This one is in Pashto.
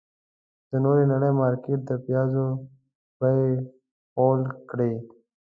د نورې نړۍ مارکيټ د پيازو بيې غول کړې.